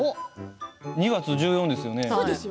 ２月１４ですよね。